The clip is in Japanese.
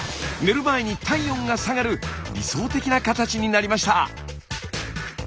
寝る前に体温が下がる理想的な形になりました。